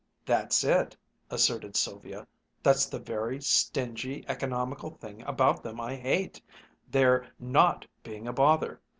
"That's it," asserted Sylvia; "that's the very stingy, economical thing about them I hate, their not being a bother!